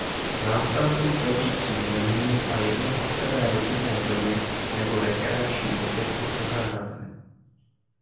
Zástavbu tvoří přízemní a jednopatrové rodinné domy nebo rekreační objekty se zahradami.